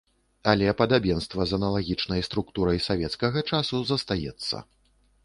Але падабенства з аналагічнай структурай савецкага часу застаецца.